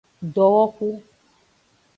Dowohu.